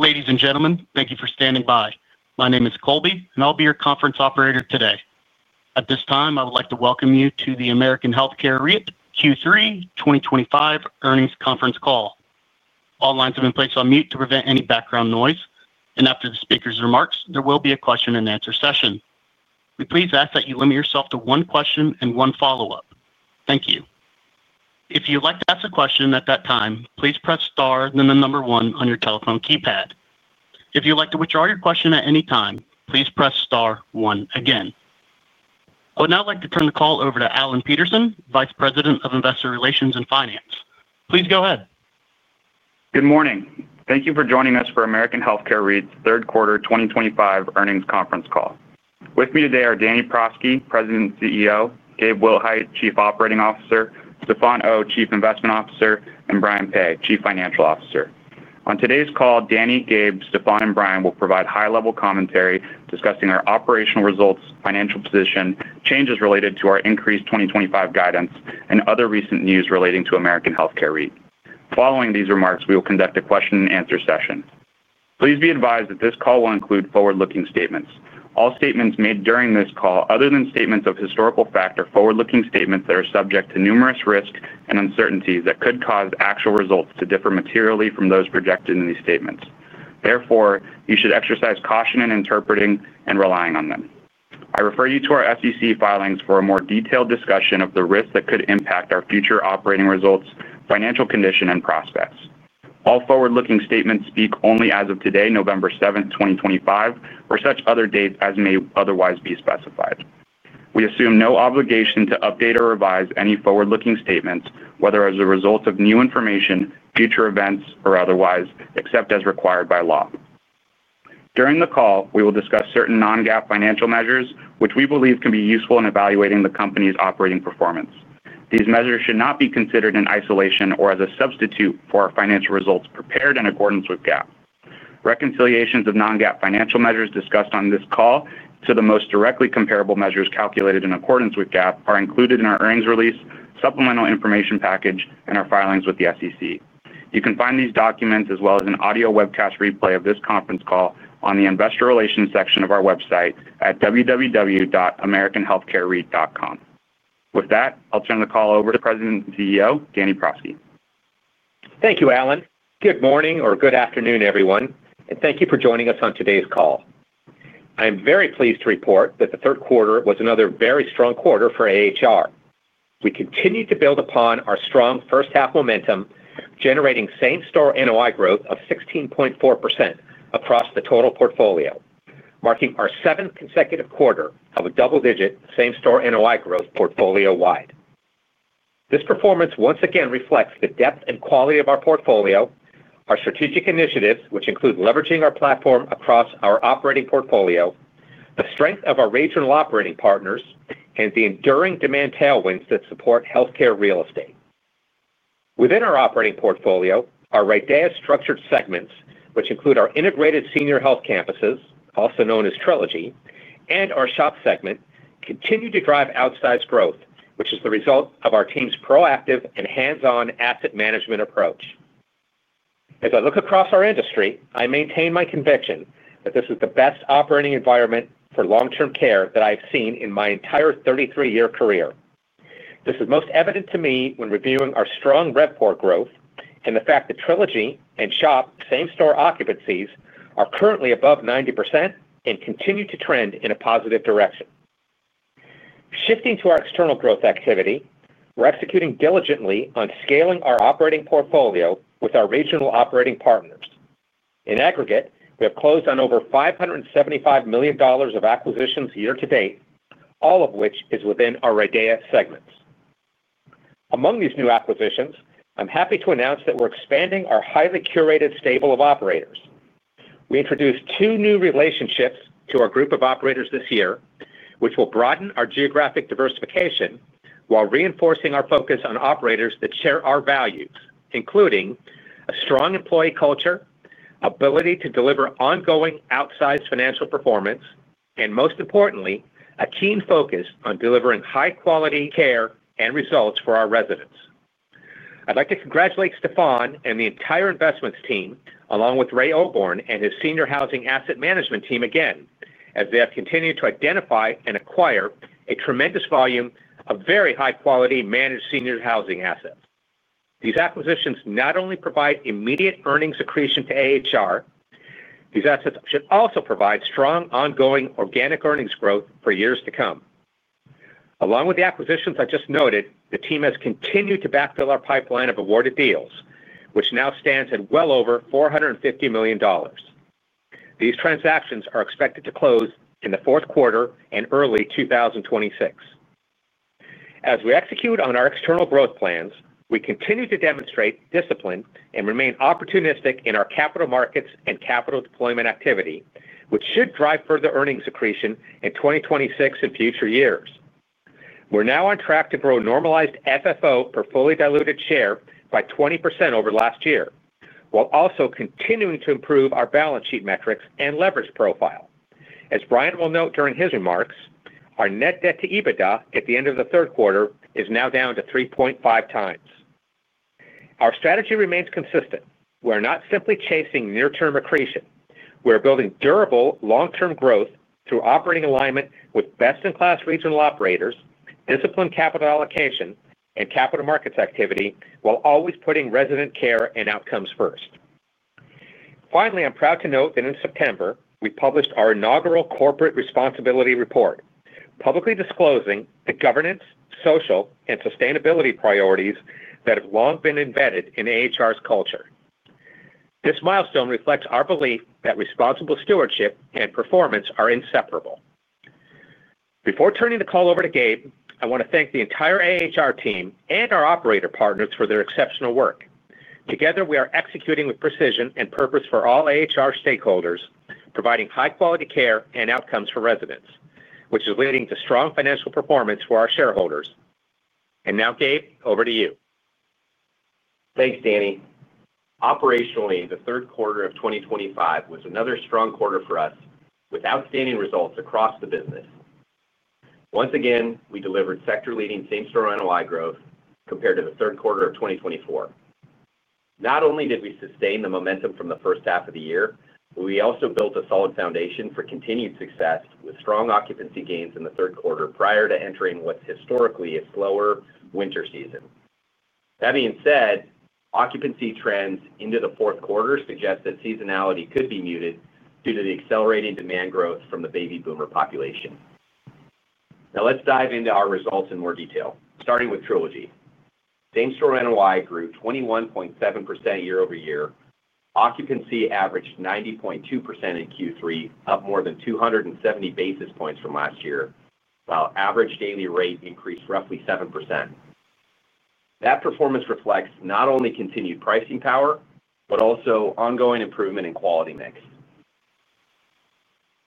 Ladies and gentlemen, thank you for standing by. My name is Colby, and I'll be your conference operator today. At this time, I would like to welcome you to the American Healthcare REIT Q3 2025 earnings conference call. All lines have been placed on mute to prevent any background noise, and after the speaker's remarks, there will be a question-and-answer session. We please ask that you limit yourself to one question and one follow-up. Thank you. If you'd like to ask a question at that time, please press star then the number one on your telephone keypad. If you'd like to withdraw your question at any time, please press star one again. I would now like to turn the call over to Alan Peterson, Vice President of Investor Relations and Finance. Please go ahead. Good morning. Thank you for joining us for American Healthcare REIT's third quarter 2025 earnings conference call. With me today are Danny Prosky, President and CEO; Gabe Willhite, Chief Operating Officer; Stefan Oh, Chief Investment Officer; and Brian Peay, Chief Financial Officer. On today's call, Danny, Gabe, Stefan, and Brian will provide high-level commentary discussing our operational results, financial position, changes related to our increased 2025 guidance, and other recent news relating to American Healthcare REIT. Following these remarks, we will conduct a question-and-answer session. Please be advised that this call will include forward-looking statements. All statements made during this call, other than statements of historical fact or forward-looking statements, are subject to numerous risks and uncertainties that could cause actual results to differ materially from those projected in these statements. Therefore, you should exercise caution in interpreting and relying on them. I refer you to our SEC filings for a more detailed discussion of the risks that could impact our future operating results, financial condition, and prospects. All forward-looking statements speak only as of today, November 7, 2025, or such other dates as may otherwise be specified. We assume no obligation to update or revise any forward-looking statements, whether as a result of new information, future events, or otherwise, except as required by law. During the call, we will discuss certain non-GAAP financial measures, which we believe can be useful in evaluating the company's operating performance. These measures should not be considered in isolation or as a substitute for our financial results prepared in accordance with GAAP. Reconciliations of non-GAAP financial measures discussed on this call to the most directly comparable measures calculated in accordance with GAAP are included in our earnings release, supplemental information package, and our filings with the SEC. You can find these documents as well as an audio webcast replay of this conference call on the Investor Relations section of our website at www.americanhealthcarereit.com. With that, I'll turn the call over to President and CEO Danny Prosky. Thank you, Alan. Good morning or good afternoon, everyone, and thank you for joining us on today's call. I am very pleased to report that the third quarter was another very strong quarter for AHR. We continue to build upon our strong first-half momentum, generating same-store NOI growth of 16.4% across the total portfolio, marking our seventh consecutive quarter of a double-digit same-store NOI growth portfolio-wide. This performance once again reflects the depth and quality of our portfolio, our strategic initiatives, which include leveraging our platform across our operating portfolio, the strength of our regional operating partners, and the enduring demand tailwinds that support healthcare real estate. Within our operating portfolio, our RIDEA structured segments, which include our integrated senior health campuses, also known as Trilogy, and our shop segment, continue to drive outsized growth, which is the result of our team's proactive and hands-on asset management approach. As I look across our industry, I maintain my conviction that this is the best operating environment for long-term care that I have seen in my entire 33-year career. This is most evident to me when reviewing our strong revPOR growth and the fact that Trilogy and shop same-store occupancies are currently above 90% and continue to trend in a positive direction. Shifting to our external growth activity, we're executing diligently on scaling our operating portfolio with our regional operating partners. In aggregate, we have closed on over $575 million of acquisitions year-to-date, all of which is within our REIT DEA segments. Among these new acquisitions, I'm happy to announce that we're expanding our highly curated stable of operators. We introduced two new relationships to our group of operators this year, which will broaden our geographic diversification while reinforcing our focus on operators that share our values, including a strong employee culture, ability to deliver ongoing outsized financial performance, and most importantly, a keen focus on delivering high-quality care and results for our residents. I'd like to congratulate Stefan and the entire investments team, along with Ray Oborne and his senior housing asset management team again, as they have continued to identify and acquire a tremendous volume of very high-quality managed senior housing assets. These acquisitions not only provide immediate earnings accretion to AHR, these assets should also provide strong ongoing organic earnings growth for years to come. Along with the acquisitions I just noted, the team has continued to backfill our pipeline of awarded deals, which now stands at well over $450 million. These transactions are expected to close in the fourth quarter and early 2026. As we execute on our external growth plans, we continue to demonstrate discipline and remain opportunistic in our capital markets and capital deployment activity, which should drive further earnings accretion in 2026 and future years. We're now on track to grow normalized FFO per fully diluted share by 20% over last year, while also continuing to improve our balance sheet metrics and leverage profile. As Brian will note during his remarks, our net debt to EBITDA at the end of the third quarter is now down to 3.5x. Our strategy remains consistent. We are not simply chasing near-term accretion. We are building durable long-term growth through operating alignment with best-in-class regional operators, disciplined capital allocation, and capital markets activity, while always putting resident care and outcomes first. Finally, I'm proud to note that in September, we published our inaugural corporate responsibility report, publicly disclosing the governance, social, and sustainability priorities that have long been embedded in AHR's culture. This milestone reflects our belief that responsible stewardship and performance are inseparable. Before turning the call over to Gabe, I want to thank the entire AHR team and our operator partners for their exceptional work. Together, we are executing with precision and purpose for all AHR stakeholders, providing high-quality care and outcomes for residents, which is leading to strong financial performance for our shareholders. Now, Gabe, over to you. Thanks, Danny. Operationally, the third quarter of 2025 was another strong quarter for us with outstanding results across the business. Once again, we delivered sector-leading same-store NOI growth compared to the third quarter of 2024. Not only did we sustain the momentum from the first half of the year, but we also built a solid foundation for continued success with strong occupancy gains in the third quarter prior to entering what is historically a slower winter season. That being said, occupancy trends into the fourth quarter suggest that seasonality could be muted due to the accelerating demand growth from the baby boomer population. Now, let's dive into our results in more detail, starting with Trilogy. Same-store NOI grew 21.7% year-over-year. Occupancy averaged 90.2% in Q3, up more than 270 basis points from last year, while average daily rate increased roughly 7%. That performance reflects not only continued pricing power but also ongoing improvement in quality mix.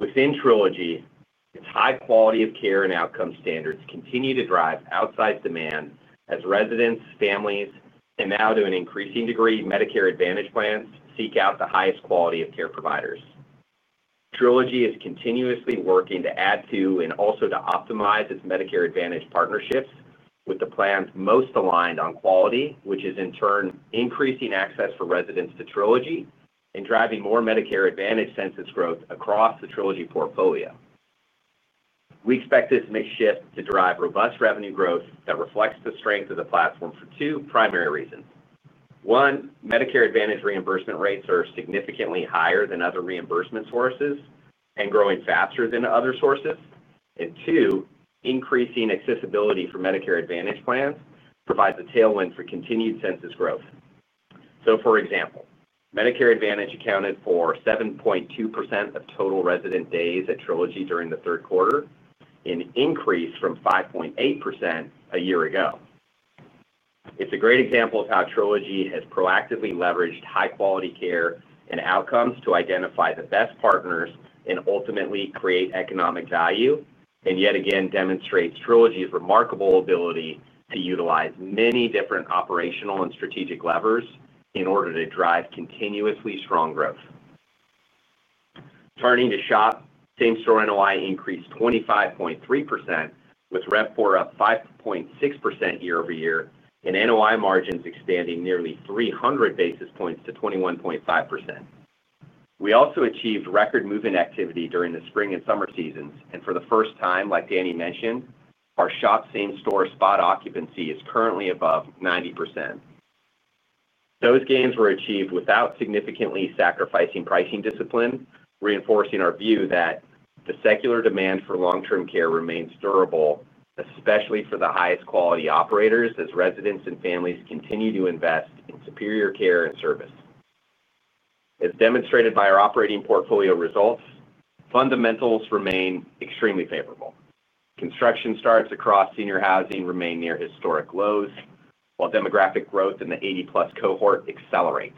Within Trilogy, its high quality of care and outcome standards continue to drive outsized demand as residents, families, and now to an increasing degree, Medicare Advantage plans seek out the highest quality of care providers. Trilogy is continuously working to add to and also to optimize its Medicare Advantage partnerships with the plans most aligned on quality, which is in turn increasing access for residents to Trilogy and driving more Medicare Advantage census growth across the Trilogy portfolio. We expect this mixed shift to drive robust revenue growth that reflects the strength of the platform for two primary reasons. One, Medicare Advantage reimbursement rates are significantly higher than other reimbursement sources and growing faster than other sources. Two, increasing accessibility for Medicare Advantage plans provides a tailwind for continued census growth. For example, Medicare Advantage accounted for 7.2% of total resident days at Trilogy during the third quarter, an increase from 5.8% a year ago. It is a great example of how Trilogy has proactively leveraged high-quality care and outcomes to identify the best partners and ultimately create economic value, and yet again demonstrates Trilogy's remarkable ability to utilize many different operational and strategic levers in order to drive continuously strong growth. Turning to shop, same-store NOI increased 25.3% with revPOR up 5.6% year-over-year and NOI margins expanding nearly 300 basis points to 21.5%. We also achieved record move-in activity during the spring and summer seasons, and for the first time, like Danny mentioned, our shop same-store spot occupancy is currently above 90%. Those gains were achieved without significantly sacrificing pricing discipline, reinforcing our view that the secular demand for long-term care remains durable, especially for the highest quality operators as residents and families continue to invest in superior care and service. As demonstrated by our operating portfolio results, fundamentals remain extremely favorable. Construction starts across senior housing remain near historic lows, while demographic growth in the 80+ cohort accelerates.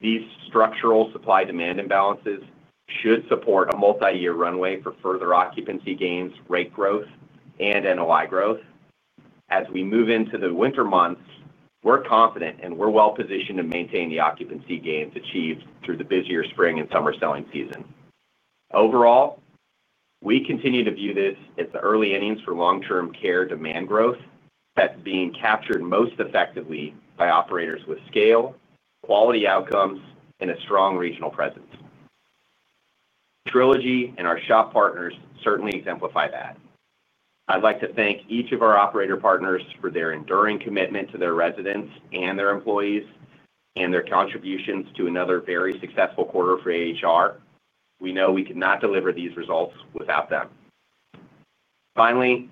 These structural supply-demand imbalances should support a multi-year runway for further occupancy gains, rate growth, and NOI growth. As we move into the winter months, we're confident and we're well-positioned to maintain the occupancy gains achieved through the busier spring and summer selling season. Overall, we continue to view this as the early innings for long-term care demand growth that's being captured most effectively by operators with scale, quality outcomes, and a strong regional presence. Trilogy and our shop partners certainly exemplify that. I'd like to thank each of our operator partners for their enduring commitment to their residents and their employees and their contributions to another very successful quarter for AHR. We know we could not deliver these results without them. Finally,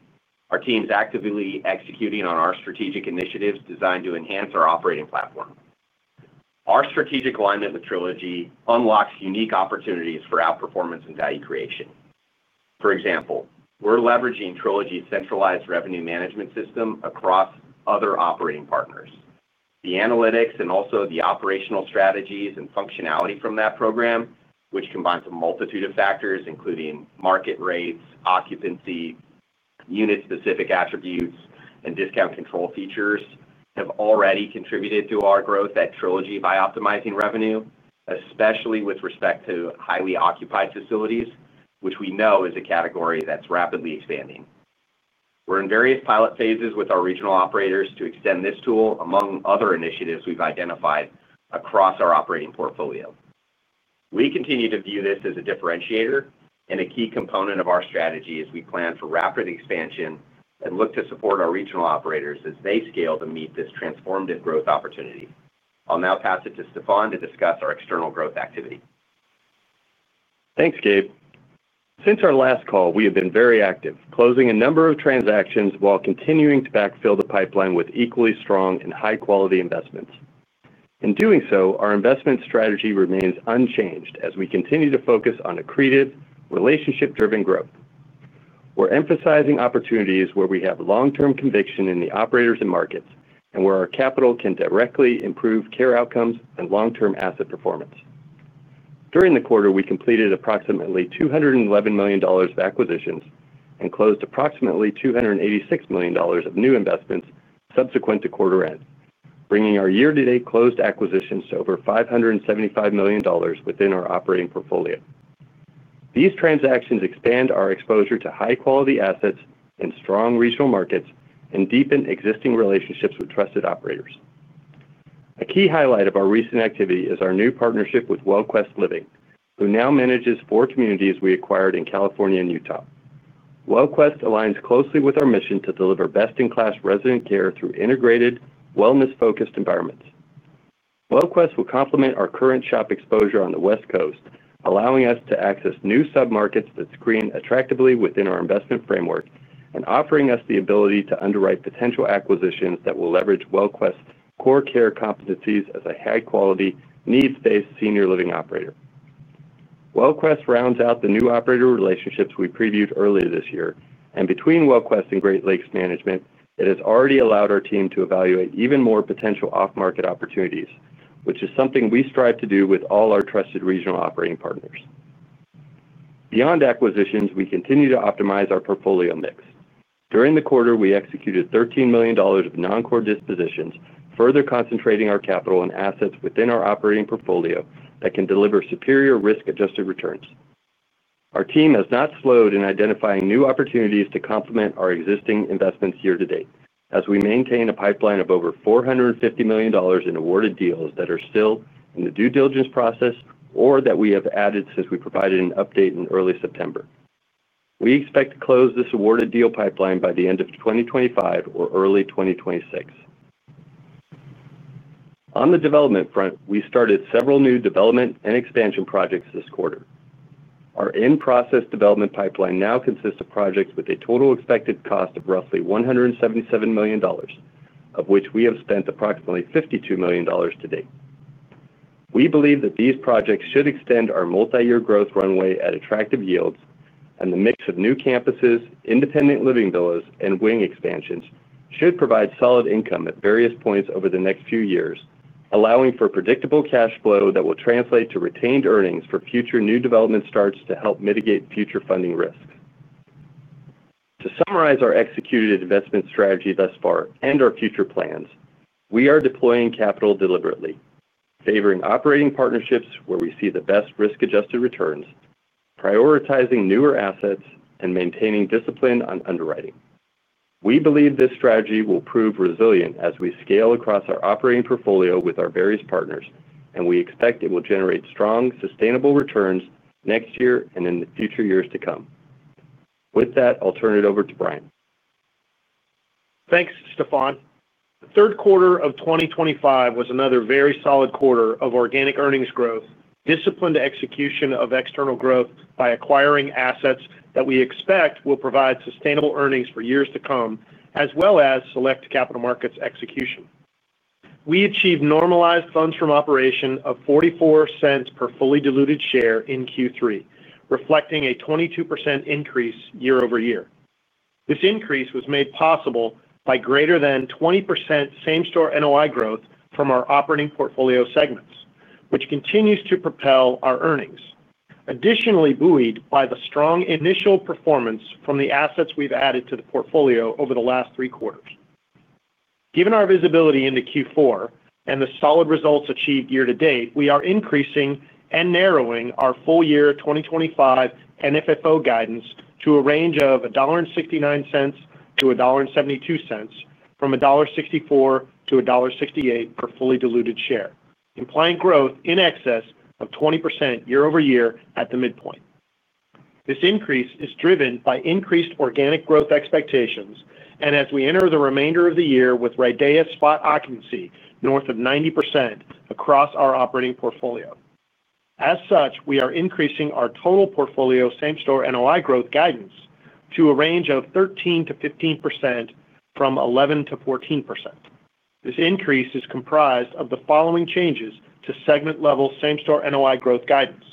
our team's actively executing on our strategic initiatives designed to enhance our operating platform. Our strategic alignment with Trilogy unlocks unique opportunities for outperformance and value creation. For example, we're leveraging Trilogy's centralized revenue management system across other operating partners. The analytics and also the operational strategies and functionality from that program, which combines a multitude of factors including market rates, occupancy, unit-specific attributes, and discount control features, have already contributed to our growth at Trilogy by optimizing revenue, especially with respect to highly occupied facilities, which we know is a category that's rapidly expanding. We're in various pilot phases with our regional operators to extend this tool among other initiatives we've identified across our operating portfolio. We continue to view this as a differentiator and a key component of our strategy as we plan for rapid expansion and look to support our regional operators as they scale to meet this transformative growth opportunity. I'll now pass it to Stefan to discuss our external growth activity. Thanks, Gabe. Since our last call, we have been very active, closing a number of transactions while continuing to backfill the pipeline with equally strong and high-quality investments. In doing so, our investment strategy remains unchanged as we continue to focus on accretive, relationship-driven growth. We're emphasizing opportunities where we have long-term conviction in the operators and markets and where our capital can directly improve care outcomes and long-term asset performance. During the quarter, we completed approximately $211 million of acquisitions and closed approximately $286 million of new investments subsequent to quarter end, bringing our year-to-date closed acquisitions to over $575 million within our operating portfolio. These transactions expand our exposure to high-quality assets in strong regional markets and deepen existing relationships with trusted operators. A key highlight of our recent activity is our new partnership with WellQuest Living, who now manages four communities we acquired in California and Utah. WellQuest aligns closely with our mission to deliver best-in-class resident care through integrated, wellness-focused environments. WellQuest will complement our current shop exposure on the West Coast, allowing us to access new sub-markets that screen attractively within our investment framework and offering us the ability to underwrite potential acquisitions that will leverage WellQuest's core care competencies as a high-quality, needs-based senior living operator. WellQuest rounds out the new operator relationships we previewed earlier this year, and between WellQuest and Great Lakes Management, it has already allowed our team to evaluate even more potential off-market opportunities, which is something we strive to do with all our trusted regional operating partners. Beyond acquisitions, we continue to optimize our portfolio mix. During the quarter, we executed $13 million of non-core dispositions, further concentrating our capital and assets within our operating portfolio that can deliver superior risk-adjusted returns. Our team has not slowed in identifying new opportunities to complement our existing investments year-to-date as we maintain a pipeline of over $450 million in awarded deals that are still in the due diligence process or that we have added since we provided an update in early September. We expect to close this awarded deal pipeline by the end of 2025 or early 2026. On the development front, we started several new development and expansion projects this quarter. Our in-process development pipeline now consists of projects with a total expected cost of roughly $177 million, of which we have spent approximately $52 million to date. We believe that these projects should extend our multi-year growth runway at attractive yields, and the mix of new campuses, independent living villas, and wing expansions should provide solid income at various points over the next few years, allowing for predictable cash flow that will translate to retained earnings for future new development starts to help mitigate future funding risks. To summarize our executed investment strategy thus far and our future plans, we are deploying capital deliberately, favoring operating partnerships where we see the best risk-adjusted returns, prioritizing newer assets, and maintaining discipline on underwriting. We believe this strategy will prove resilient as we scale across our operating portfolio with our various partners, and we expect it will generate strong, sustainable returns next year and in the future years to come. With that, I'll turn it over to Brian. Thanks, Stefan. The third quarter of 2025 was another very solid quarter of organic earnings growth, disciplined execution of external growth by acquiring assets that we expect will provide sustainable earnings for years to come, as well as select capital markets execution. We achieved normalized funds from operation of $0.44 per fully diluted share in Q3, reflecting a 22% increase year-over-year. This increase was made possible by greater than 20% same-store NOI growth from our operating portfolio segments, which continues to propel our earnings, additionally buoyed by the strong initial performance from the assets we've added to the portfolio over the last three quarters. Given our visibility into Q4 and the solid results achieved year-to-date, we are increasing and narrowing our full-year 2025 NFFO guidance to a range of $1.69-$1.72, from $1.64-$1.68 per fully diluted share, implying growth in excess of 20% year-over-year at the midpoint. This increase is driven by increased organic growth expectations, and as we enter the remainder of the year with REIT Day's spot occupancy north of 90% across our operating portfolio. As such, we are increasing our total portfolio same-store NOI growth guidance to a range of 13%-15% from 11%-14%. This increase is comprised of the following changes to segment-level same-store NOI growth guidance.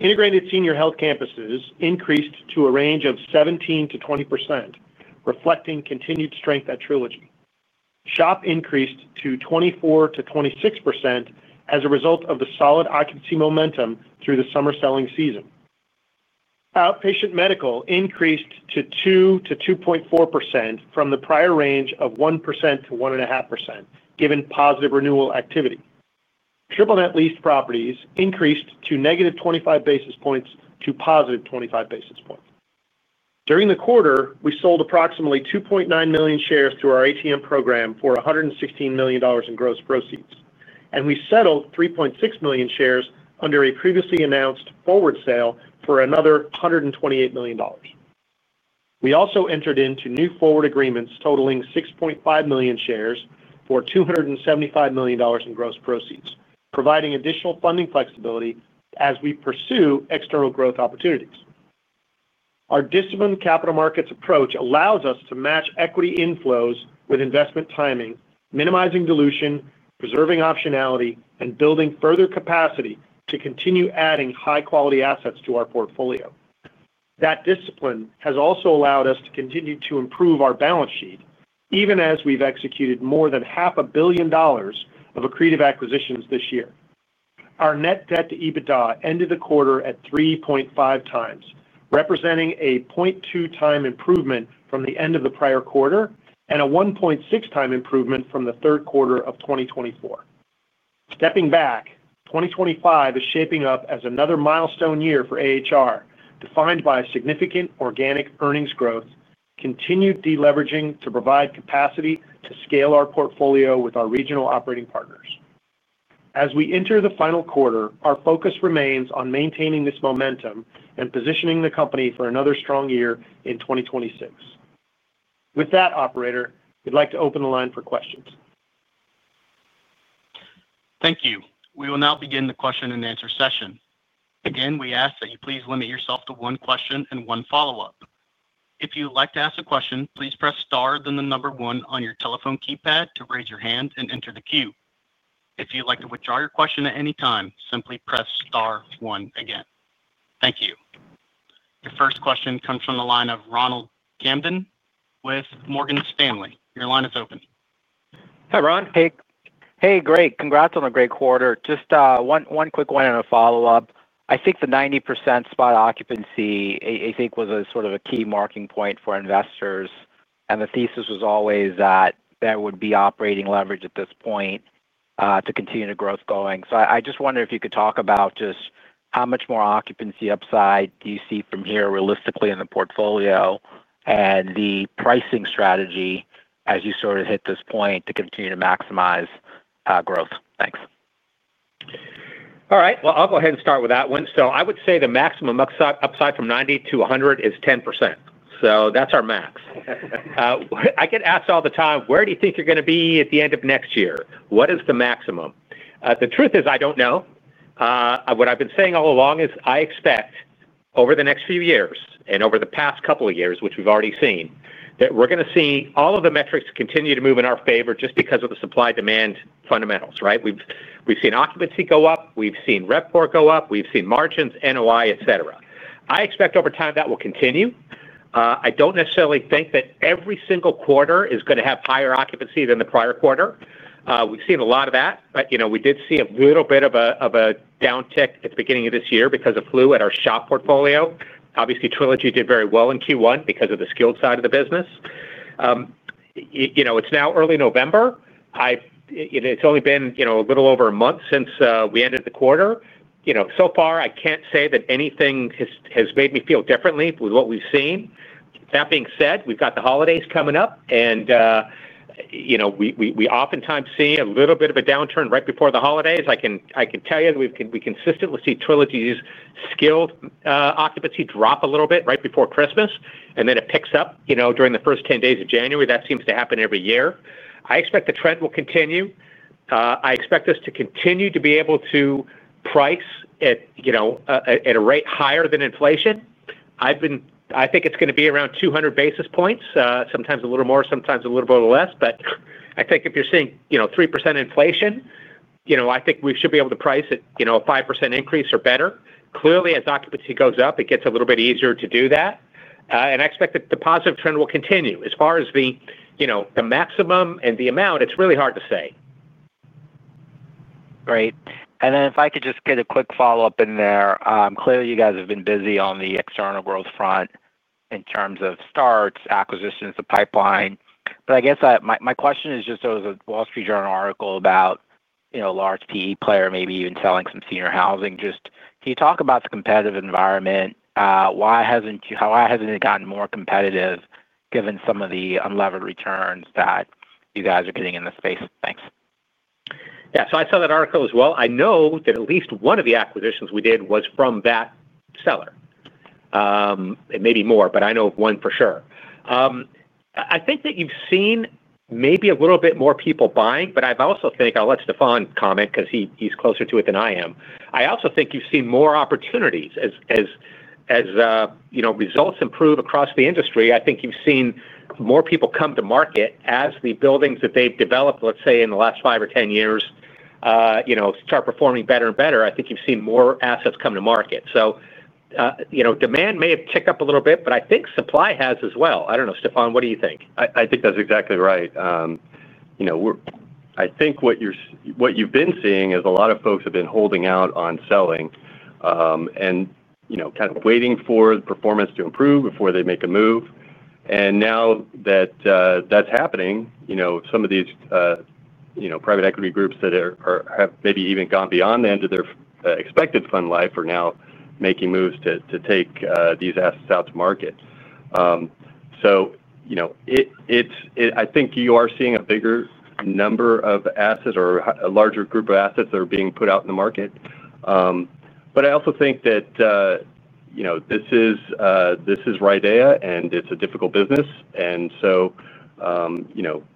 Integrated senior health campuses increased to a range of 17%-20%, reflecting continued strength at Trilogy. Shop increased to 24%-26% as a result of the solid occupancy momentum through the summer selling season. Outpatient medical increased to 2%-2.4% from the prior range of 1%-1.5%, given positive renewal activity. Triple Net Lease properties increased to negative 25 basis points to positive 25 basis points. During the quarter, we sold approximately 2.9 million shares through our ATM program for $116 million in gross proceeds, and we settled 3.6 million shares under a previously announced forward sale for another $128 million. We also entered into new forward agreements totaling 6.5 million shares for $275 million in gross proceeds, providing additional funding flexibility as we pursue external growth opportunities. Our disciplined capital markets approach allows us to match equity inflows with investment timing, minimizing dilution, preserving optionality, and building further capacity to continue adding high-quality assets to our portfolio. That discipline has also allowed us to continue to improve our balance sheet, even as we've executed more than $500,000,000 of accretive acquisitions this year. Our net debt to EBITDA ended the quarter at 3.5x, representing a 0.2-time improvement from the end of the prior quarter and a 1.6-time improvement from the third quarter of 2024. Stepping back, 2025 is shaping up as another milestone year for AHR, defined by significant organic earnings growth, continued deleveraging to provide capacity to scale our portfolio with our regional operating partners. As we enter the final quarter, our focus remains on maintaining this momentum and positioning the company for another strong year in 2026. With that, Operator, we'd like to open the line for questions. Thank you. We will now begin the question-and-answer session. Again, we ask that you please limit yourself to one question and one follow-up. If you'd like to ask a question, please press star then the number one on your telephone keypad to raise your hand and enter the queue. If you'd like to withdraw your question at any time, simply press star one again. Thank you. Your first question comes from the line of Ronald Kamden with Morgan Stanley. Your line is open. Hi, Ron. Hey, hey, great. Congrats on a great quarter. Just one quick one and a follow-up. I think the 90% spot occupancy, I think, was a sort of a key marking point for investors, and the thesis was always that there would be operating leverage at this point to continue the growth going. I just wondered if you could talk about just how much more occupancy upside do you see from here realistically in the portfolio and the pricing strategy as you sort of hit this point to continue to maximize growth. Thanks. All right. I'll go ahead and start with that one. I would say the maximum upside from 90-100 is 10%. That's our max. I get asked all the time, "Where do you think you're going to be at the end of next year? What is the maximum?" The truth is I don't know. What I've been saying all along is I expect over the next few years and over the past couple of years, which we've already seen, that we're going to see all of the metrics continue to move in our favor just because of the supply-demand fundamentals, right? We've seen occupancy go up. We've seen revPOR go up. We've seen margins, NOI, etc. I expect over time that will continue. I don't necessarily think that every single quarter is going to have higher occupancy than the prior quarter. We've seen a lot of that. We did see a little bit of a downtick at the beginning of this year because of flu at our shop portfolio. Obviously, Trilogy did very well in Q1 because of the skilled side of the business. It's now early November. It's only been a little over a month since we ended the quarter. So far, I can't say that anything has made me feel differently with what we've seen. That being said, we've got the holidays coming up, and we oftentimes see a little bit of a downturn right before the holidays. I can tell you that we consistently see Trilogy's skilled occupancy drop a little bit right before Christmas, and then it picks up during the first 10 days of January. That seems to happen every year. I expect the trend will continue. I expect us to continue to be able to price at a rate higher than inflation. I think it's going to be around 200 basis points, sometimes a little more, sometimes a little bit less, but I think if you're seeing 3% inflation, I think we should be able to price at a 5% increase or better. Clearly, as occupancy goes up, it gets a little bit easier to do that. I expect that the positive trend will continue. As far as the maximum and the amount, it's really hard to say. Great. If I could just get a quick follow-up in there. Clearly, you guys have been busy on the external growth front in terms of starts, acquisitions, the pipeline. I guess my question is just, there was a Wall Street Journal article about a large PE player, maybe even selling some senior housing. Can you talk about the competitive environment? Why has not it gotten more competitive given some of the unlevered returns that you guys are getting in the space? Thanks. Yeah. I saw that article as well. I know that at least one of the acquisitions we did was from that seller. It may be more, but I know of one for sure. I think that you've seen maybe a little bit more people buying, but I also think, oh, let Stefan comment because he's closer to it than I am. I also think you've seen more opportunities. As results improve across the industry, I think you've seen more people come to market as the buildings that they've developed, let's say, in the last 5 or 10 years start performing better and better. I think you've seen more assets come to market. Demand may have ticked up a little bit, but I think supply has as well. I don't know, Stefan, what do you think? I think that's exactly right. I think what you've been seeing is a lot of folks have been holding out on selling and kind of waiting for the performance to improve before they make a move. Now that that's happening, some of these private equity groups that have maybe even gone beyond the end of their expected fund life are now making moves to take these assets out to market. I think you are seeing a bigger number of assets or a larger group of assets that are being put out in the market. I also think that this is REIT Daya, and it's a difficult business.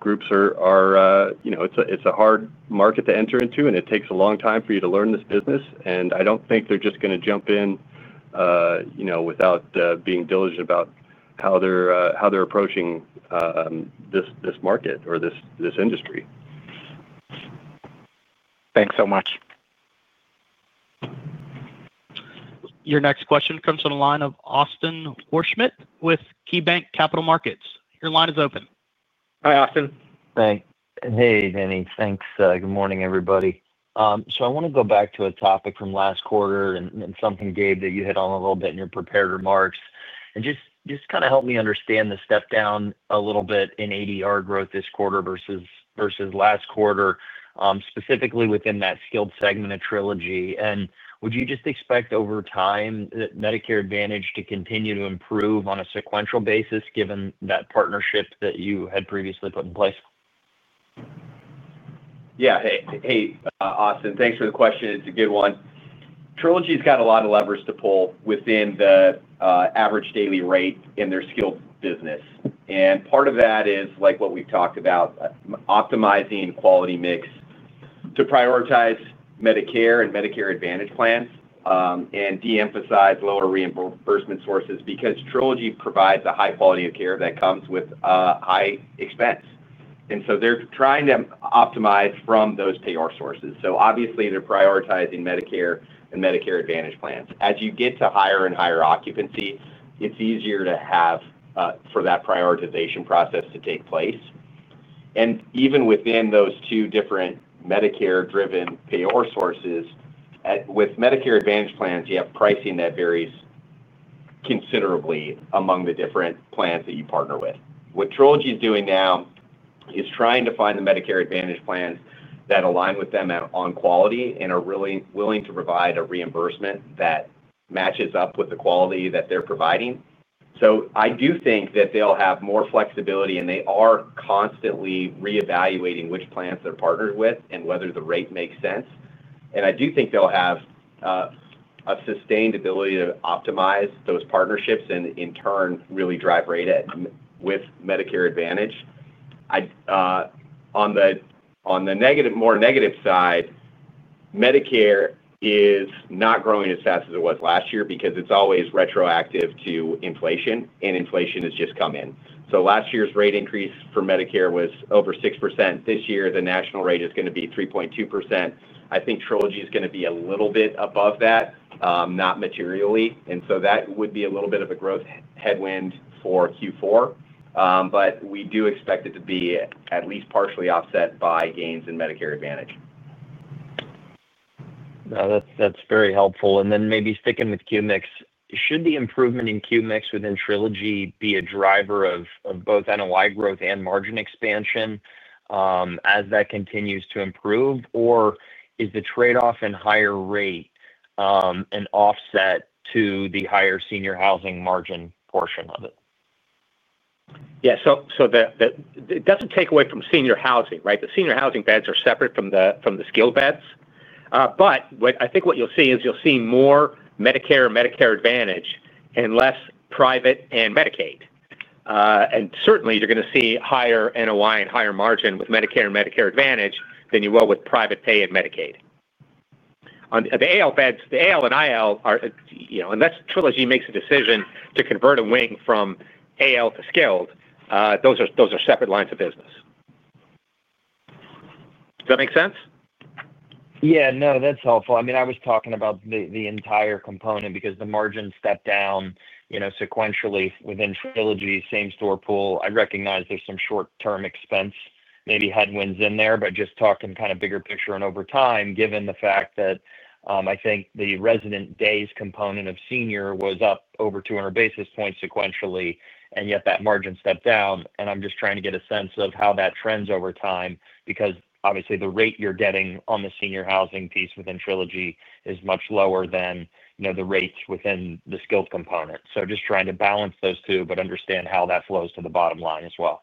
Groups are—it's a hard market to enter into, and it takes a long time for you to learn this business. I don't think they're just going to jump in without being diligent about how they're approaching this market or this industry. Thanks so much. Your next question comes from the line of Austin Wurschmidt with KeyBank Capital Markets. Your line is open. Hi, Austin. Hey, Danny. Thanks. Good morning, everybody. I want to go back to a topic from last quarter and something, Gabe, that you hit on a little bit in your prepared remarks. Just kind of help me understand the step down a little bit in ADR growth this quarter versus last quarter, specifically within that skilled segment of Trilogy. Would you just expect over time that Medicare Advantage to continue to improve on a sequential basis given that partnership that you had previously put in place? Yeah. Hey, Austin. Thanks for the question. It's a good one. Trilogy's got a lot of levers to pull within the average daily rate in their skilled business. Part of that is like what we've talked about, optimizing quality mix to prioritize Medicare and Medicare Advantage plans and de-emphasize lower reimbursement sources because Trilogy provides a high quality of care that comes with high expense. They're trying to optimize from those payor sources. Obviously, they're prioritizing Medicare and Medicare Advantage plans. As you get to higher and higher occupancy, it's easier for that prioritization process to take place. Even within those two different Medicare-driven payor sources, with Medicare Advantage plans, you have pricing that varies considerably among the different plans that you partner with. What Trilogy is doing now is trying to find the Medicare Advantage plans that align with them on quality and are really willing to provide a reimbursement that matches up with the quality that they're providing. I do think that they'll have more flexibility, and they are constantly reevaluating which plans they're partnered with and whether the rate makes sense. I do think they'll have a sustained ability to optimize those partnerships and, in turn, really drive rate with Medicare Advantage. On the more negative side, Medicare is not growing as fast as it was last year because it's always retroactive to inflation, and inflation has just come in. Last year's rate increase for Medicare was over 6%. This year, the national rate is going to be 3.2%. I think Trilogy is going to be a little bit above that, not materially. That would be a little bit of a growth headwind for Q4. We do expect it to be at least partially offset by gains in Medicare Advantage. That's very helpful. Maybe sticking with QMIX, should the improvement in QMIX within Trilogy be a driver of both NOI growth and margin expansion as that continues to improve, or is the trade-off in higher rate an offset to the higher senior housing margin portion of it? Yeah. It does not take away from senior housing, right? The senior housing beds are separate from the skilled beds. I think what you will see is you will see more Medicare and Medicare Advantage and less private and Medicaid. Certainly, you are going to see higher NOI and higher margin with Medicare and Medicare Advantage than you will with private pay and Medicaid. The AL and IL are—and that is Trilogy makes a decision to convert a wing from AL to skilled. Those are separate lines of business. Does that make sense? Yeah. No, that's helpful. I mean, I was talking about the entire component because the margin stepped down sequentially within Trilogy, same store pool. I recognize there's some short-term expense, maybe headwinds in there, but just talking kind of bigger picture and over time, given the fact that I think the resident days component of senior was up over 200 basis points sequentially, and yet that margin stepped down. I'm just trying to get a sense of how that trends over time because, obviously, the rate you're getting on the senior housing piece within Trilogy is much lower than the rates within the skilled component. Just trying to balance those two but understand how that flows to the bottom line as well.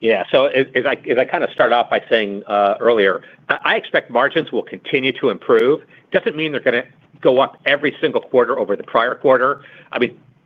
Yeah. If I kind of start off by saying earlier, I expect margins will continue to improve. It does not mean they are going to go up every single quarter over the prior quarter.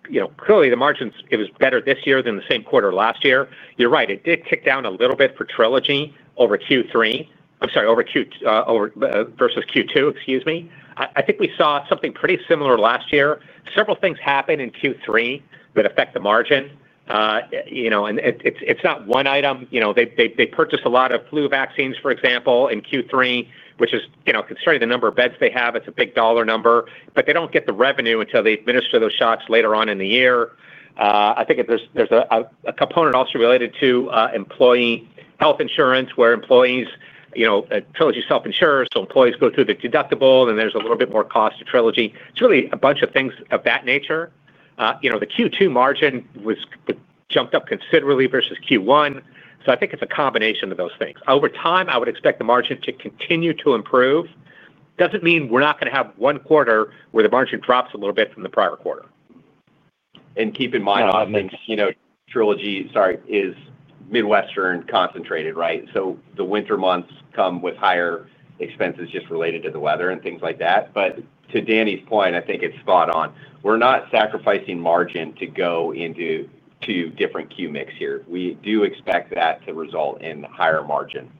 I mean, clearly, the margins, it was better this year than the same quarter last year. You are right. It did tick down a little bit for Trilogy over Q3, I am sorry, over Q2 versus Q2, excuse me. I think we saw something pretty similar last year. Several things happen in Q3 that affect the margin. It is not one item. They purchased a lot of flu vaccines, for example, in Q3, which is concerning the number of beds they have. It is a big dollar number, but they do not get the revenue until they administer those shots later on in the year. I think there's a component also related to employee health insurance where employees—Trilogy self-insures, so employees go through the deductible, and there's a little bit more cost to Trilogy. It's really a bunch of things of that nature. The Q2 margin jumped up considerably versus Q1. I think it's a combination of those things. Over time, I would expect the margin to continue to improve. Doesn't mean we're not going to have one quarter where the margin drops a little bit from the prior quarter. Keep in mind, Austin, Trilogy—sorry—is Midwestern concentrated, right? The winter months come with higher expenses just related to the weather and things like that. To Danny's point, I think it's spot on. We're not sacrificing margin to go into two different QMIX here. We do expect that to result in higher margin.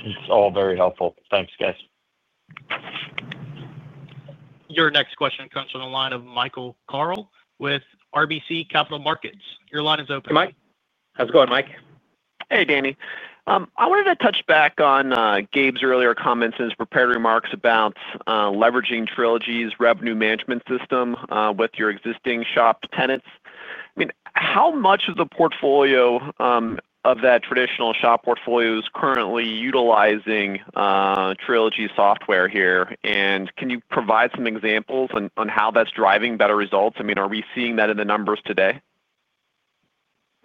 It's all very helpful. Thanks, guys. Your next question comes from the line of Michael Dahl with RBC Capital Markets. Your line is open. Mike. How's it going, Mike? Hey, Danny. I wanted to touch back on Gabe's earlier comments and his prepared remarks about leveraging Trilogy's revenue management system with your existing shop tenants. I mean, how much of the portfolio of that traditional shop portfolio is currently utilizing Trilogy software here? And can you provide some examples on how that's driving better results? I mean, are we seeing that in the numbers today?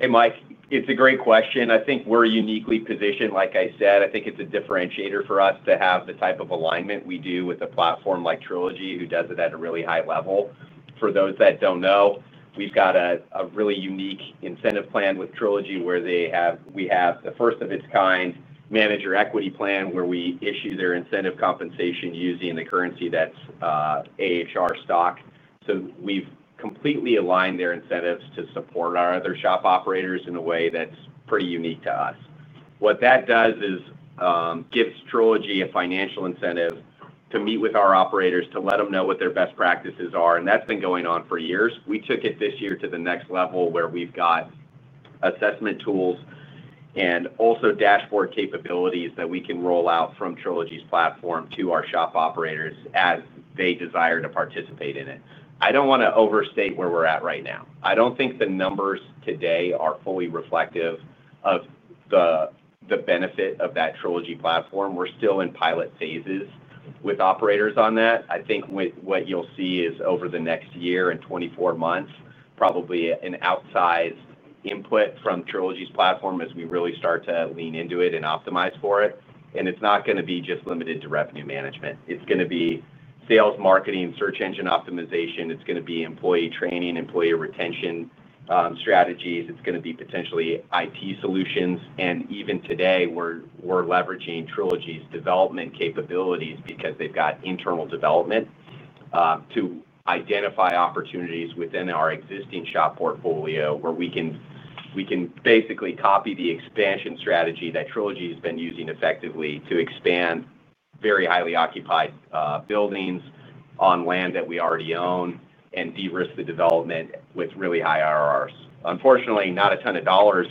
Hey, Mike. It's a great question. I think we're uniquely positioned. Like I said, I think it's a differentiator for us to have the type of alignment we do with a platform like Trilogy who does it at a really high level. For those that don't know, we've got a really unique incentive plan with Trilogy where we have the first-of-its-kind manager equity plan where we issue their incentive compensation using the currency that's AHR stock. So we've completely aligned their incentives to support our other shop operators in a way that's pretty unique to us. What that does is gives Trilogy a financial incentive to meet with our operators, to let them know what their best practices are. That has been going on for years. We took it this year to the next level where we've got assessment tools and also dashboard capabilities that we can roll out from Trilogy's platform to our shop operators as they desire to participate in it. I do not want to overstate where we're at right now. I do not think the numbers today are fully reflective of the benefit of that Trilogy platform. We're still in pilot phases with operators on that. I think what you'll see is over the next year and 24 months, probably an outsized input from Trilogy's platform as we really start to lean into it and optimize for it. It is not going to be just limited to revenue management. It is going to be sales, marketing, search engine optimization. It is going to be employee training, employee retention strategies. It is going to be potentially IT solutions. Even today, we're leveraging Trilogy's development capabilities because they've got internal development to identify opportunities within our existing shop portfolio where we can basically copy the expansion strategy that Trilogy has been using effectively to expand very highly occupied buildings on land that we already own and de-risk the development with really high RRRs. Unfortunately, not a ton of dollars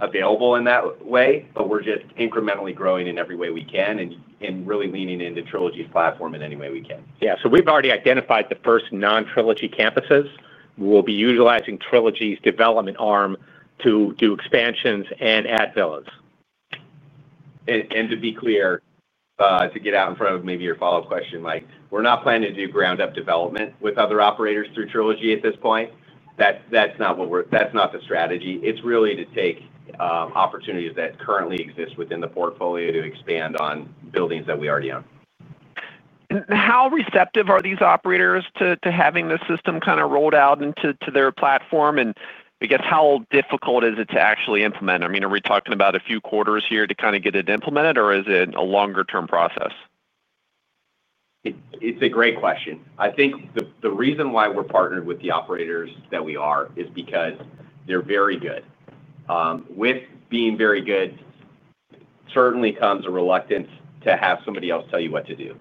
available in that way, but we're just incrementally growing in every way we can and really leaning into Trilogy's platform in any way we can. Yeah. We've already identified the first non-Trilogy campuses. We'll be utilizing Trilogy's development arm to do expansions and add villas. To be clear, to get out in front of maybe your follow-up question, Mike, we're not planning to do ground-up development with other operators through Trilogy at this point. That's not the strategy. It's really to take opportunities that currently exist within the portfolio to expand on buildings that we already own. How receptive are these operators to having this system kind of rolled out into their platform? I guess, how difficult is it to actually implement? I mean, are we talking about a few quarters here to kind of get it implemented, or is it a longer-term process? It's a great question. I think the reason why we're partnered with the operators that we are is because they're very good. With being very good, certainly comes a reluctance to have somebody else tell you what to do.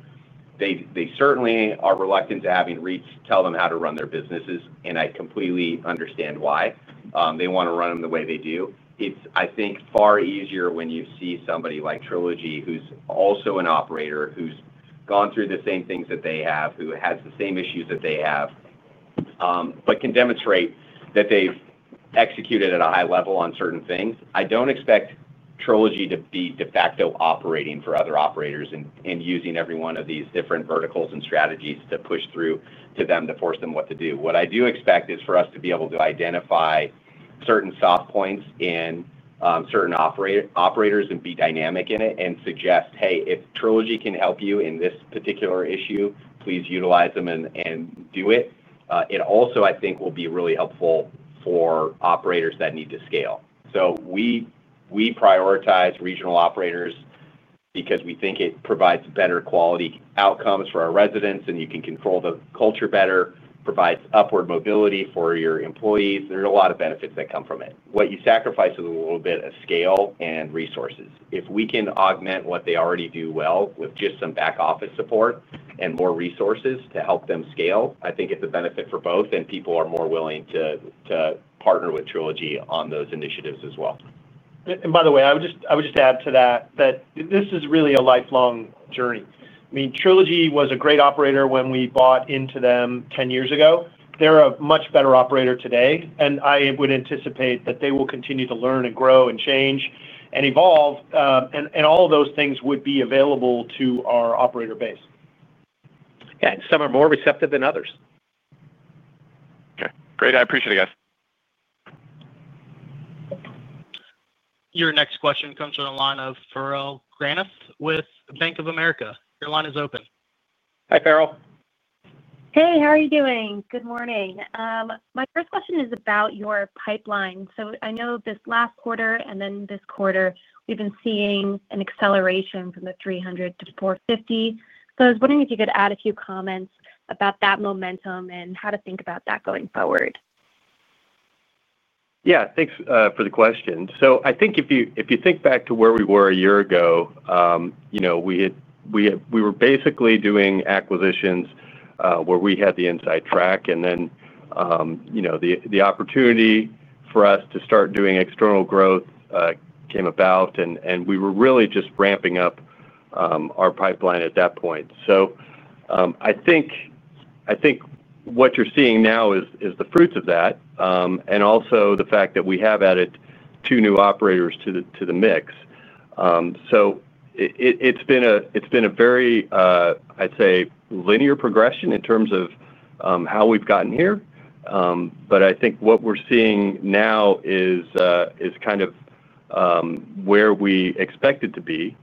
They certainly are reluctant to have me tell them how to run their businesses, and I completely understand why. They want to run them the way they do. It's, I think, far easier when you see somebody like Trilogy who's also an operator, who's gone through the same things that they have, who has the same issues that they have, but can demonstrate that they've executed at a high level on certain things. I don't expect Trilogy to be de facto operating for other operators and using every one of these different verticals and strategies to push through to them to force them what to do. What I do expect is for us to be able to identify certain soft points in certain operators and be dynamic in it and suggest, "Hey, if Trilogy can help you in this particular issue, please utilize them and do it." It also, I think, will be really helpful for operators that need to scale. We prioritize regional operators because we think it provides better quality outcomes for our residents, and you can control the culture better, provides upward mobility for your employees. There are a lot of benefits that come from it. What you sacrifice is a little bit of scale and resources. If we can augment what they already do well with just some back-office support and more resources to help them scale, I think it's a benefit for both, and people are more willing to partner with Trilogy on those initiatives as well. By the way, I would just add to that that this is really a lifelong journey. I mean, Trilogy was a great operator when we bought into them 10 years ago. They're a much better operator today, and I would anticipate that they will continue to learn and grow and change and evolve, and all of those things would be available to our operator base. Yeah. Some are more receptive than others. Okay. Great. I appreciate it, guys. Your next question comes from the line of Farrell Granath with Bank of America. Your line is open. Hi, Farrell. Hey. How are you doing? Good morning. My first question is about your pipeline. I know this last quarter and then this quarter, we've been seeing an acceleration from the 300 to 450. I was wondering if you could add a few comments about that momentum and how to think about that going forward. Yeah. Thanks for the question. I think if you think back to where we were a year ago, we were basically doing acquisitions where we had the inside track. The opportunity for us to start doing external growth came about, and we were really just ramping up our pipeline at that point. I think what you're seeing now is the fruits of that and also the fact that we have added two new operators to the mix. It has been a very, I'd say, linear progression in terms of how we've gotten here. I think what we're seeing now is kind of where we expect it to be,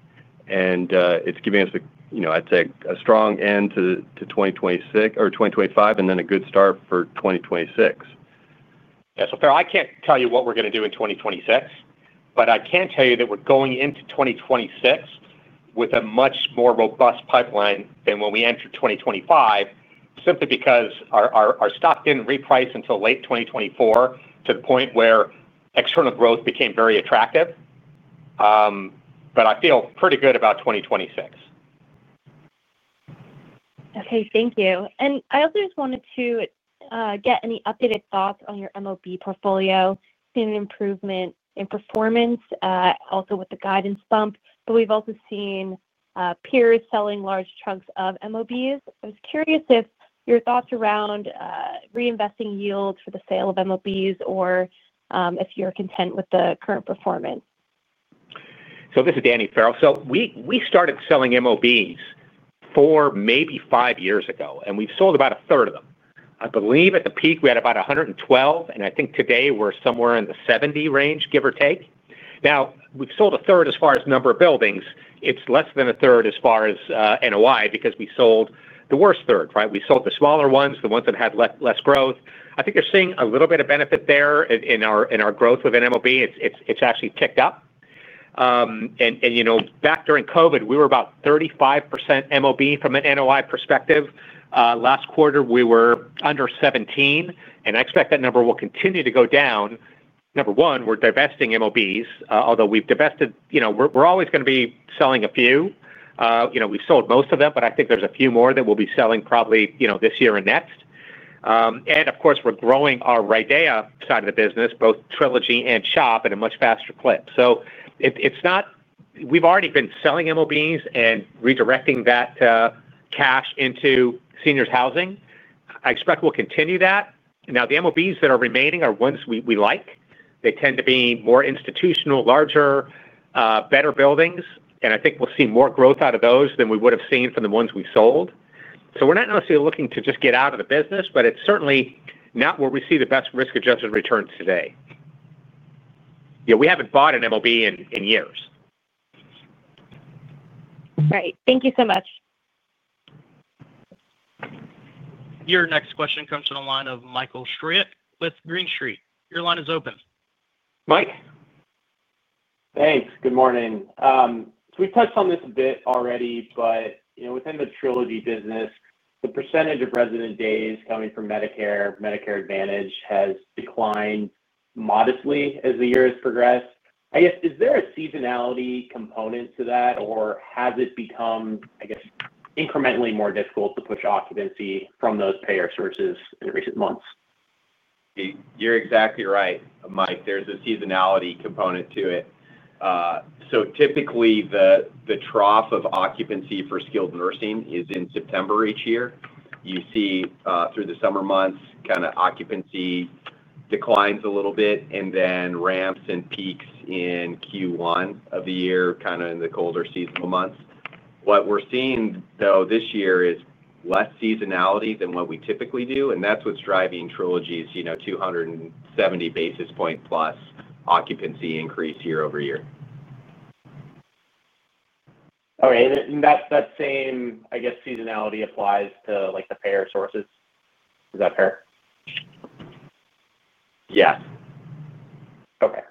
and it's giving us, I'd say, a strong end to 2025 and then a good start for 2026. Yeah. Farrell, I can't tell you what we're going to do in 2026, but I can tell you that we're going into 2026 with a much more robust pipeline than when we entered 2025 simply because our stock didn't reprice until late 2024 to the point where external growth became very attractive. I feel pretty good about 2026. Okay. Thank you. I also just wanted to get any updated thoughts on your MOB portfolio, seeing an improvement in performance, also with the guidance bump. We've also seen peers selling large chunks of MOBs. I was curious if your thoughts around reinvesting yields for the sale of MOBs or if you're content with the current performance. This is Danny Prosky. We started selling MOBs four, maybe five years ago, and we've sold about a third of them. I believe at the peak, we had about 112, and I think today we're somewhere in the 70 range, give or take. Now, we've sold a third as far as number of buildings. It's less than a third as far as NOI because we sold the worst third, right? We sold the smaller ones, the ones that had less growth. I think you're seeing a little bit of benefit there in our growth within MOB. It's actually ticked up. Back during COVID, we were about 35% MOB from an NOI perspective. Last quarter, we were under 17%, and I expect that number will continue to go down. Number one, we're divesting MOBs, although we've divested, we're always going to be selling a few. We've sold most of them, but I think there's a few more that we'll be selling probably this year and next. Of course, we're growing our RIDEA side of the business, both Trilogy and shop, at a much faster clip. We've already been selling MOBs and redirecting that cash into seniors' housing. I expect we'll continue that. Now, the MOBs that are remaining are ones we like. They tend to be more institutional, larger, better buildings, and I think we'll see more growth out of those than we would have seen from the ones we've sold. We're not necessarily looking to just get out of the business, but it's certainly not where we see the best risk-adjusted returns today. We haven't bought an MOB in years. Right. Thank you so much. Your next question comes from the line of Michael Stroyeck with Green Street. Your line is open. Mike. Thanks. Good morning. We touched on this a bit already, but within the Trilogy business, the percentage of resident days coming from Medicare, Medicare Advantage has declined modestly as the year has progressed. I guess, is there a seasonality component to that, or has it become, I guess, incrementally more difficult to push occupancy from those payer sources in recent months? You're exactly right, Mike. There's a seasonality component to it. Typically, the trough of occupancy for skilled nursing is in September each year. You see through the summer months, occupancy declines a little bit and then ramps and peaks in Q1 of the year, in the colder seasonal months. What we're seeing this year is less seasonality than what we typically do, and that's what's driving Trilogy's 270 basis point-plus occupancy increase year over year. Okay. That same, I guess, seasonality applies to the payer sources. Is that fair? Yes. Okay.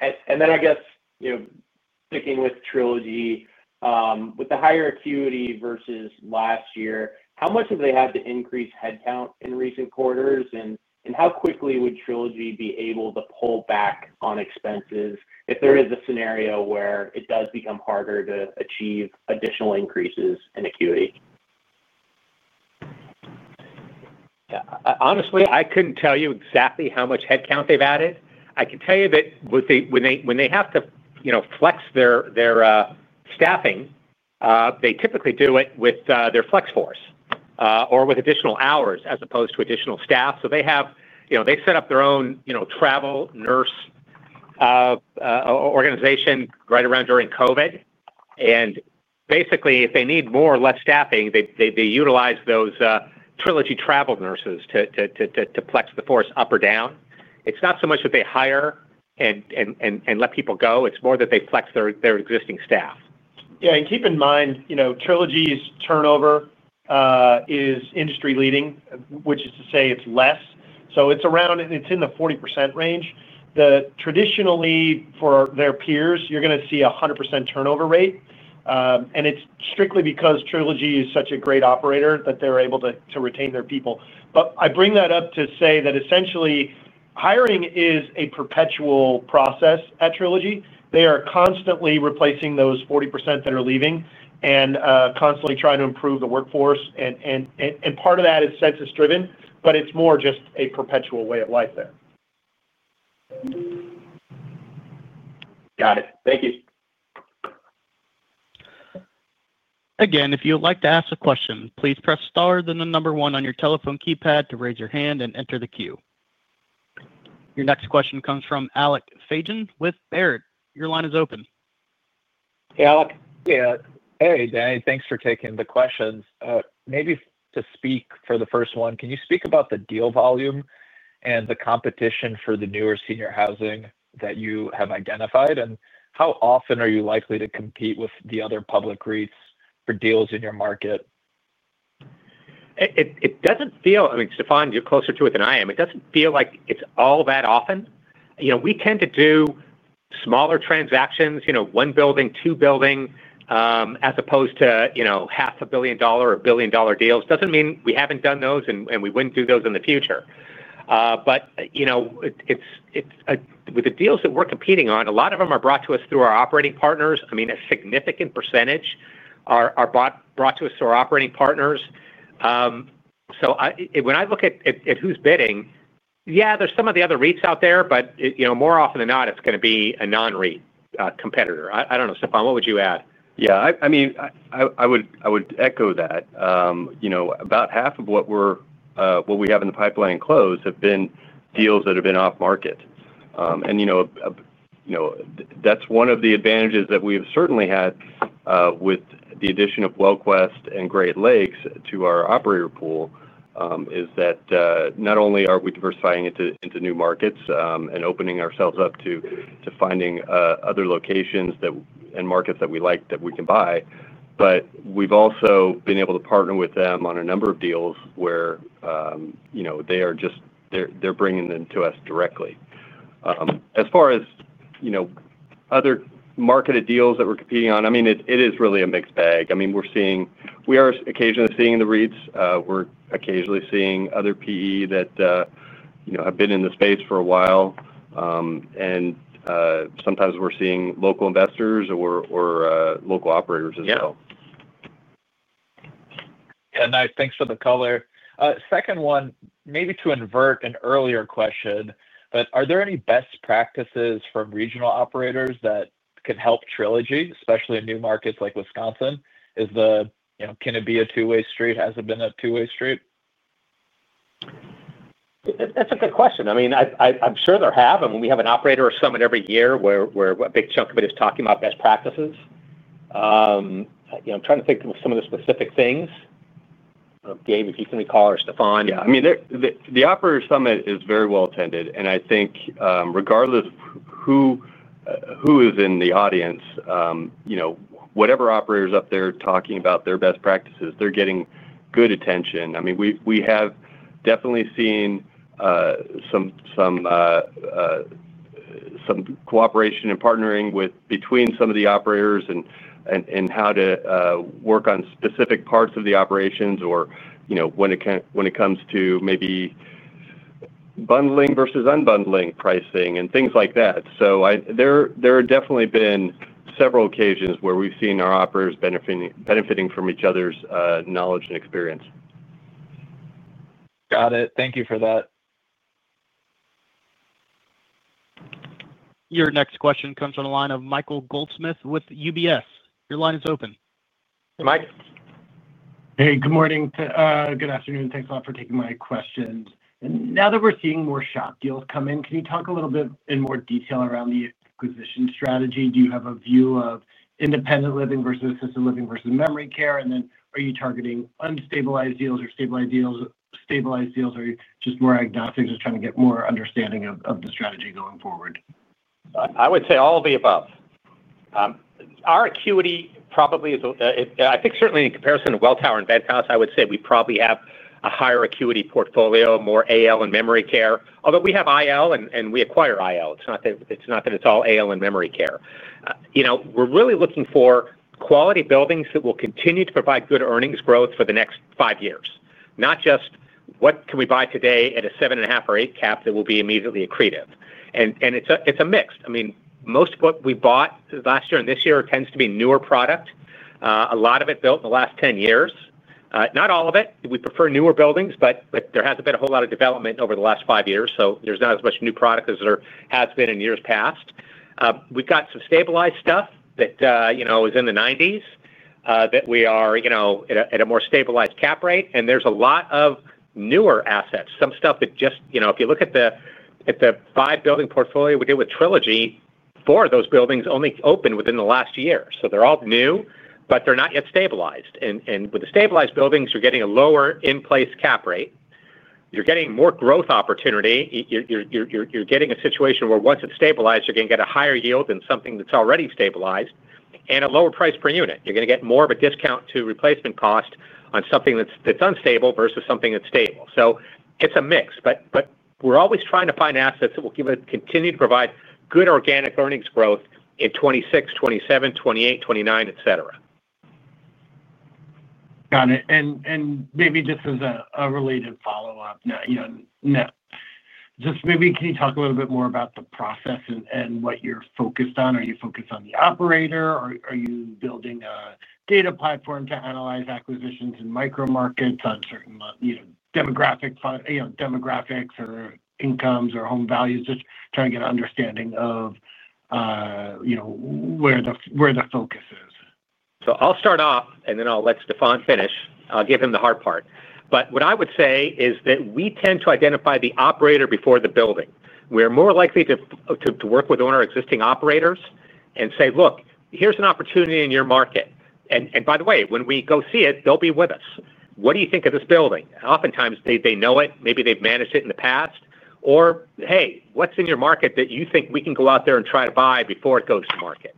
And then I guess, sticking with Trilogy, with the higher acuity versus last year, how much have they had to increase headcount in recent quarters, and how quickly would Trilogy be able to pull back on expenses if there is a scenario where it does become harder to achieve additional increases in acuity? Yeah. Honestly, I could not tell you exactly how much headcount they have added. I can tell you that when they have to flex their staffing, they typically do it with their flex force or with additional hours as opposed to additional staff. They set up their own travel nurse organization right around during COVID. Basically, if they need more or less staffing, they utilize those Trilogy travel nurses to flex the force up or down. It is not so much that they hire and let people go. It is more that they flex their existing staff. Yeah. Keep in mind, Trilogy's turnover is industry-leading, which is to say it's less. It's in the 40% range. Traditionally, for their peers, you're going to see a 100% turnover rate. It's strictly because Trilogy is such a great operator that they're able to retain their people. I bring that up to say that essentially, hiring is a perpetual process at Trilogy. They are constantly replacing those 40% that are leaving and constantly trying to improve the workforce. Part of that is census-driven, but it's more just a perpetual way of life there. Got it. Thank you. Again, if you'd like to ask a question, please press star then the number one on your telephone keypad to raise your hand and enter the queue. Your next question comes from Alex Fagen with Baird. Your line is open. Hey, Alex. Hey, Danny. Thanks for taking the questions. Maybe to speak for the first one, can you speak about the deal volume and the competition for the newer senior housing that you have identified? How often are you likely to compete with the other public REITs for deals in your market? It does not feel—I mean, Stefan, you are closer to it than I am. It does not feel like it is all that often. We tend to do smaller transactions, one building, two buildings, as opposed to $500 million or $1 billion deals. That does not mean we have not done those and we would not do those in the future. With the deals that we are competing on, a lot of them are brought to us through our operating partners. I mean, a significant percentage are brought to us through our operating partners. When I look at who is bidding, yes, there are some of the other REITs out there, but more often than not, it is going to be a non-REIT competitor. I do not know, Stefan, what would you add? Yeah. I mean, I would echo that. About half of what we have in the pipeline closed have been deals that have been off-market. That is one of the advantages that we have certainly had with the addition of WellQuest and Great Lakes to our operator pool, is that not only are we diversifying into new markets and opening ourselves up to finding other locations and markets that we like that we can buy, but we have also been able to partner with them on a number of deals where they are just—they are bringing them to us directly. As far as other marketed deals that we are competing on, I mean, it is really a mixed bag. I mean, we are occasionally seeing the REITs. We are occasionally seeing other PE that have been in the space for a while. Sometimes we are seeing local investors or local operators as well. Yeah. Yeah. Nice. Thanks for the color. Second one, maybe to invert an earlier question, but are there any best practices from regional operators that could help Trilogy, especially in new markets like Wisconsin? Is the Kenobia two-way street, has it been a two-way street? That's a good question. I mean, I'm sure there have. I mean, we have an operator summit every year where a big chunk of it is talking about best practices. I'm trying to think of some of the specific things. Gabe, if you can recall, or Stefan. Yeah. I mean, the operator summit is very well attended. I think regardless of who is in the audience, whatever operator is up there talking about their best practices, they are getting good attention. I mean, we have definitely seen some cooperation and partnering between some of the operators and how to work on specific parts of the operations or when it comes to maybe bundling versus unbundling pricing and things like that. There have definitely been several occasions where we have seen our operators benefiting from each other's knowledge and experience. Got it. Thank you for that. Your next question comes from the line of Michael Goldsmith with UBS. Your line is open. Hey, Mike. Hey, good morning. Good afternoon. Thanks a lot for taking my questions. Now that we're seeing more shop deals come in, can you talk a little bit in more detail around the acquisition strategy? Do you have a view of independent living versus assisted living versus memory care? Are you targeting unstabilized deals or stabilized deals? Are you just more agnostic, just trying to get more understanding of the strategy going forward? I would say all of the above. Our acuity probably is—I think certainly in comparison to Welltower and Ventas, I would say we probably have a higher acuity portfolio, more AL and memory care. Although we have IL and we acquire IL. It's not that it's all AL and memory care. We're really looking for quality buildings that will continue to provide good earnings growth for the next five years. Not just what can we buy today at a seven and a half or eight cap that will be immediately accretive. It's a mix. I mean, most of what we bought last year and this year tends to be newer product. A lot of it built in the last 10 years. Not all of it. We prefer newer buildings, but there has not been a whole lot of development over the last five years, so there is not as much new product as there has been in years past. We have got some stabilized stuff that was in the 1990s that we are at a more stabilized cap rate. There is a lot of newer assets, some stuff that just—if you look at the five building portfolio we did with Trilogy, four of those buildings only opened within the last year. They are all new, but they are not yet stabilized. With the stabilized buildings, you are getting a lower in-place cap rate. You are getting more growth opportunity. You are getting a situation where once it is stabilized, you are going to get a higher yield than something that is already stabilized and a lower price per unit. You're going to get more of a discount to replacement cost on something that's unstable versus something that's stable. It is a mix. We are always trying to find assets that will continue to provide good organic earnings growth in 2026, 2027, 2028, 2029, etc. Got it. Maybe just as a related follow-up, can you talk a little bit more about the process and what you're focused on? Are you focused on the operator? Are you building a data platform to analyze acquisitions in micro markets on certain demographics or incomes or home values? Just trying to get an understanding of where the focus is. I'll start off, and then I'll let Stefan finish. I'll give him the hard part. What I would say is that we tend to identify the operator before the building. We are more likely to work with our existing operators and say, "Look, here's an opportunity in your market." By the way, when we go see it, they'll be with us. "What do you think of this building?" Oftentimes, they know it. Maybe they've managed it in the past. Or, "Hey, what's in your market that you think we can go out there and try to buy before it goes to market?"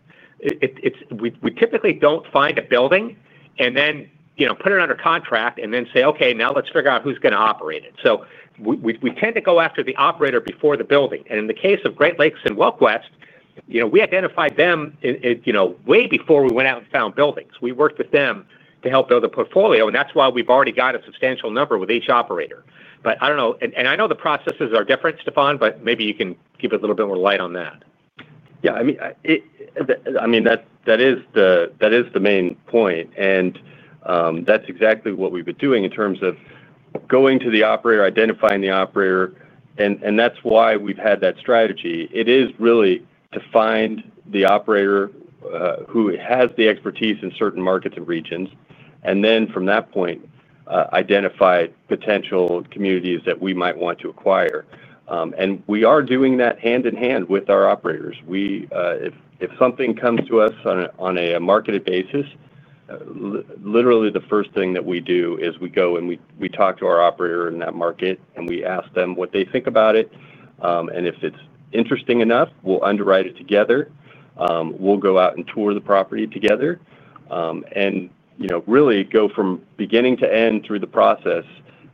We typically do not find a building and then put it under contract and then say, "Okay, now let's figure out who's going to operate it." We tend to go after the operator before the building. In the case of Great Lakes and WellQuest, we identified them way before we went out and found buildings. We worked with them to help build a portfolio. That is why we have already got a substantial number with each operator. I do not know. I know the processes are different, Stefan, but maybe you can give a little bit more light on that. Yeah. I mean, that is the main point. That is exactly what we have been doing in terms of going to the operator, identifying the operator. That is why we have had that strategy. It is really to find the operator who has the expertise in certain markets and regions. From that point, identify potential communities that we might want to acquire. We are doing that hand in hand with our operators. If something comes to us on a marketed basis, literally the first thing that we do is we go and we talk to our operator in that market, and we ask them what they think about it. If it is interesting enough, we will underwrite it together. will go out and tour the property together and really go from beginning to end through the process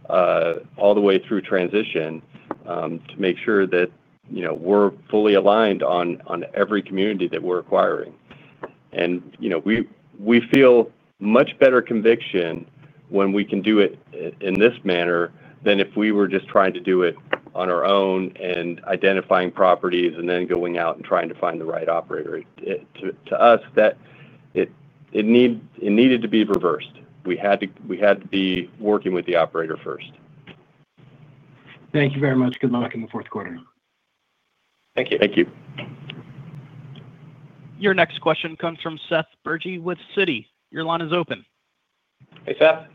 all the way through transition to make sure that we are fully aligned on every community that we are acquiring. We feel much better conviction when we can do it in this manner than if we were just trying to do it on our own and identifying properties and then going out and trying to find the right operator. To us, it needed to be reversed. We had to be working with the operator first. Thank you very much. Good luck in the fourth quarter. Thank you. Thank you. Your next question comes from Seth Bergey with Citi. Your line is open. Hey, Seth.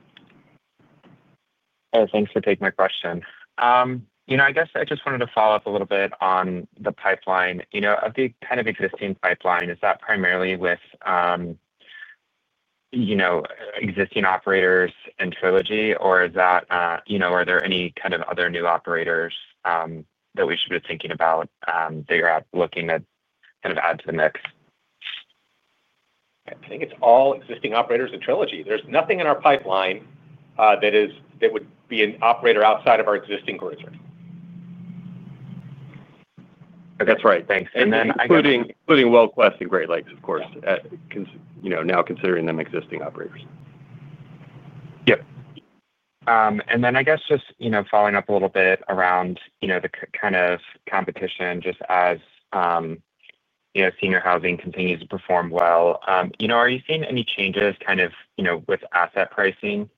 Hey, thanks for taking my question. I guess I just wanted to follow up a little bit on the pipeline. Of the kind of existing pipeline, is that primarily with existing operators and Trilogy, or are there any kind of other new operators that we should be thinking about that you're looking to kind of add to the mix? I think it's all existing operators and Trilogy. There's nothing in our pipeline that would be an operator outside of our existing group. That's right. Thanks. Including WellQuest and Great Lakes, of course, now considering them existing operators. Yep. I guess just following up a little bit around the kind of competition, just as senior housing continues to perform well, are you seeing any changes kind of with asset pricing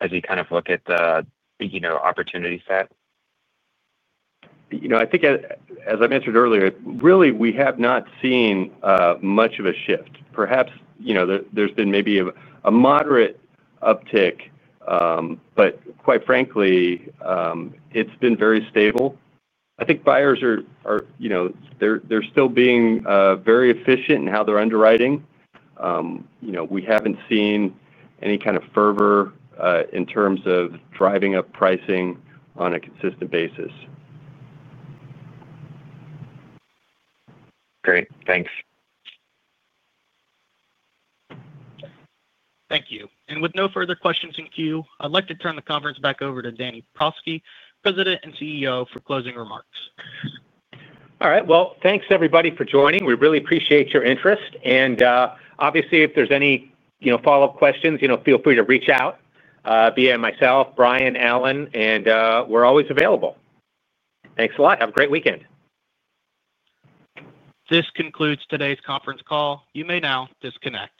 as you kind of look at the opportunity set? I think, as I mentioned earlier, really we have not seen much of a shift. Perhaps there's been maybe a moderate uptick, but quite frankly, it's been very stable. I think buyers are—they're still being very efficient in how they're underwriting. We haven't seen any kind of fervor in terms of driving up pricing on a consistent basis. Great. Thanks. Thank you. With no further questions in queue, I'd like to turn the conference back over to Danny Prosky, President and CEO, for closing remarks. All right. Thanks everybody for joining. We really appreciate your interest. Obviously, if there's any follow-up questions, feel free to reach out via myself, Brian, Alan, and we're always available. Thanks a lot. Have a great weekend. This concludes today's conference call. You may now disconnect.